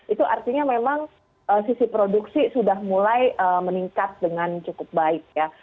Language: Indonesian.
itu artinya memang sisi produksi sudah mulai meningkat dengan cukup baik ya